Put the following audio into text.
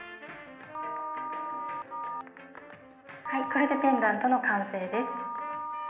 これでペンダントの完成です。